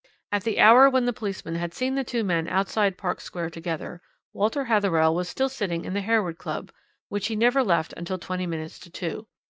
At the hour when the policeman had seen the two men outside Park Square together, Walter Hatherell was still sitting in the Harewood Club, which he never left until twenty minutes to two.